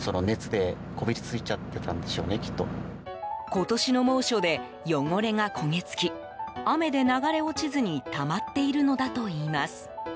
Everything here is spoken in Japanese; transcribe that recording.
今年の猛暑で汚れが焦げつき雨で流れ落ちずにたまっているのだといいます。